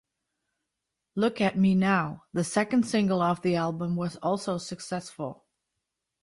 "Look at me now", the second single off the album was also successful.